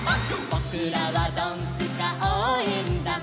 「ぼくらはドンスカおうえんだん」